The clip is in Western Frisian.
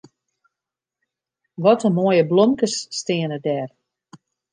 Wat in moaie blomkes steane dêr.